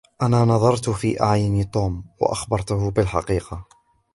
أنا نظرت في أعيُن توم وأخبرتةُ الحقيقة.